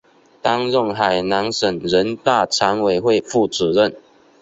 担任海南省人大常委会副主任。